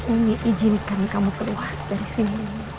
ini izinkan kamu keluar dari sini